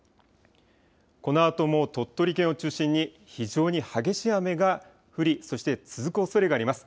このあとも鳥取県を中心に、非常に激しい雨が降り、そして続くおそれがあります。